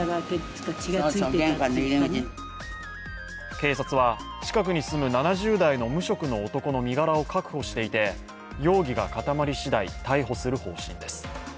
警察は近くに住む７０代の無職の男の身柄を確保していて容疑が固まりしだい逮捕する方針です。